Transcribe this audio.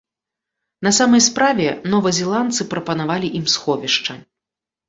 На самай справе, новазеландцы прапанавалі ім сховішча.